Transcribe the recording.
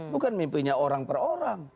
bukan mimpinya orang per orang